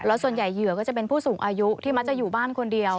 แล้วส่วนใหญ่เหยื่อก็จะเป็นผู้สูงอายุที่มักจะอยู่บ้านคนเดียว